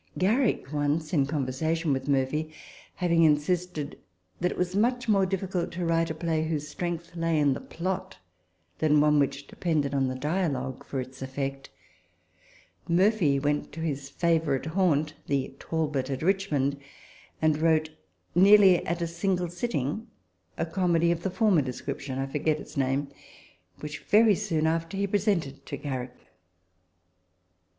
Garrick once, in conversation with Murphy, having insisted that it was much more difficult to write a play whose strength lay in the plot than one which depended on the dialogue for its effect, Murphy went to his favourite haunt, the Talbot at Richmond, and wrote, nearly at a single sitting, a comedy of the former description (I forget its name), which, very soon after, he presented to Garrick.